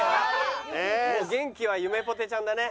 もう元気はゆめぽてちゃんだね。